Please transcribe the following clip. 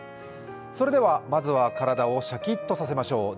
それではまずは体をシャキッとさせましょう。